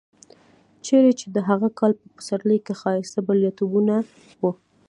چېرې چې د هغه کال په پسرلي کې ښایسته بریالیتوبونه و.